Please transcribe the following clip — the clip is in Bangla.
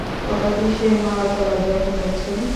ওটা কিসের নড়াচড়া দেখা যাচ্ছে?